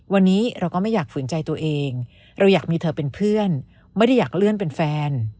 วันนี้เราก็ไม่อยากฝืนใจตัวเองเราอยากมีเธอเป็นเพื่อนไม่ได้อยากเลื่อนเป็นแฟน